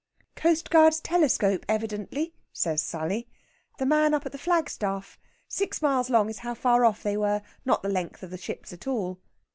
"Coastguard's telescope, evidently," says Sally. "The man up at the flagstaff. Six miles long is how far off they were, not the length of the ships at all."